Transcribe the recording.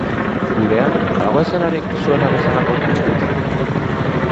Gurean, badago eszenarik zuena bezalako taldeentzat?